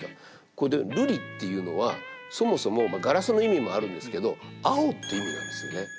この「瑠璃」っていうのはそもそもガラスの意味もあるんですけど「青」って意味なんですよね。